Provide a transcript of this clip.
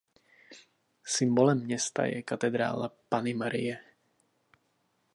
Symbolem města je katedrála Panny Marie.